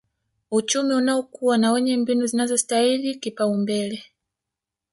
uchumi unaokua na wenye mbinu zinazostahili kupaumbele